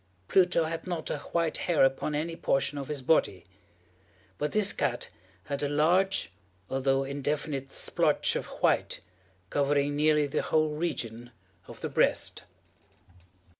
Pluto had not a white hair upon any portion of his body; but this cat had a large, although indefinite splotch of white, covering nearly the whole region of the breast.